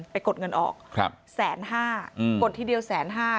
กดเงินออกแสนห้ากดทีเดียวแสนห้า